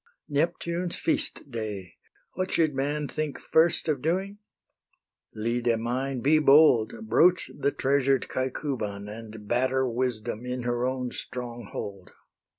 Neptune's feast day! what should man Think first of doing? Lyde mine, be bold, Broach the treasured Caecuban, And batter Wisdom in her own stronghold.